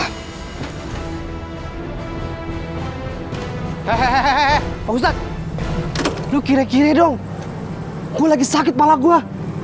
hehehe pak ustadz lu kira kira dong gue lagi sakit malah gua